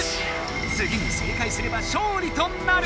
つぎに正解すれば勝利となる！